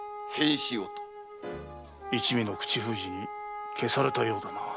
一味の口封じに消されたようだな。